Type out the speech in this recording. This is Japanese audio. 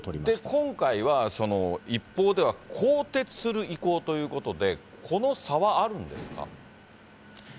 今回は、一方では更迭する意向ということで、この差はあるんですか？